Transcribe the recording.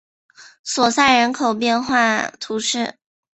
索赛人口变化图示